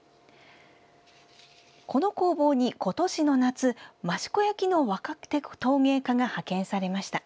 この工房に、今年の夏益子焼の若手陶芸家が派遣されました。